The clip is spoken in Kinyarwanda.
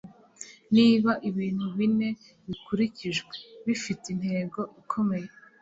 niba ibintu bine bikurikijwe - bifite intego ikomeye